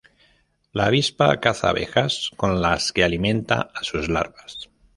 La avispa caza abejas, con las que alimenta a sus larvas.